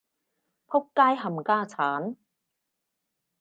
僕街冚家鏟